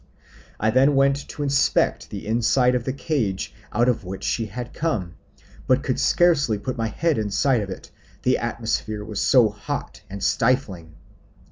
I then went to inspect the inside of the cage out of which she had come, but could scarely put my head inside of it, the atmosphere was so hot and stifling.